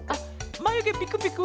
まゆげピクピク。